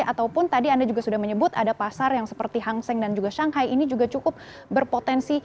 ataupun tadi anda juga sudah menyebut ada pasar yang seperti hang seng dan juga shanghai ini juga cukup berpotensi